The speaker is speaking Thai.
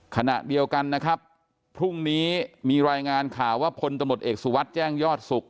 ขณะเดียวกันพรุ่งนี้มีรายงานข่าวว่าพลตมติเอกสุวัตรแจ้งยอดสุข